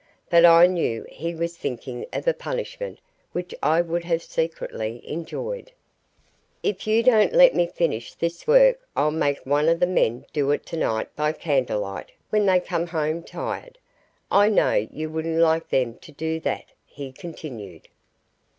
But I knew he was thinking of a punishment which I would have secretly enjoyed. "If you don't let me finish this work I'll make one of the men do it tonight by candle light when they come home tired. I know you wouldn't like them to do that," he continued.